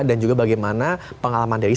dan juga bagaimana pengalaman dari